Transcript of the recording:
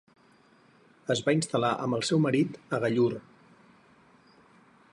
Es va instal·lar amb el seu marit a Gallur.